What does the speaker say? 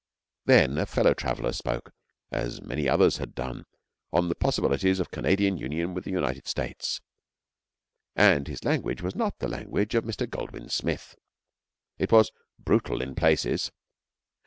Then a fellow traveller spoke, as many others had done, on the possibilities of Canadian union with the United States; and his language was not the language of Mr. Goldwin Smith. It was brutal in places.